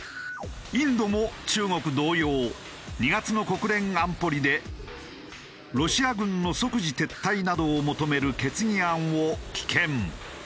インドも中国同様２月の国連安保理でロシア軍の即時撤退などを求める決議案を棄権。